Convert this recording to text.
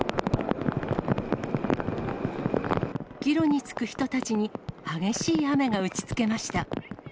帰路に就く人たちに激しい雨が打ちつけました。